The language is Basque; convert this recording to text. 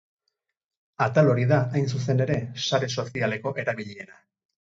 Atal hori da, hain zuzen ere, sare sozialeko erabiliena.